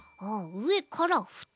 うえからふた。